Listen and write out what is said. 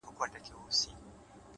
هوښیار انتخاب وخت سپموي’